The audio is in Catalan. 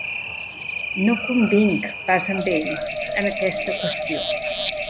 No convinc pas amb ell en aquesta qüestió.